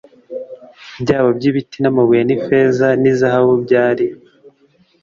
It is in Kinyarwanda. byabo by ibiti n amabuye n ifeza n izahabu byari